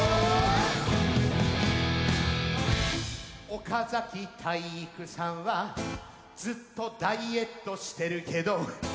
「岡崎体育さんはずっとダイエットしてるけど」